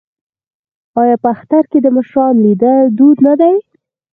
آیا په اختر کې د مشرانو لیدل دود نه دی؟